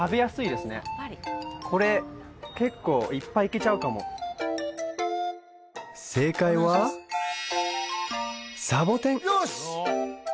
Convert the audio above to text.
これ結構いっぱいいけちゃうかも正解は「サボテン」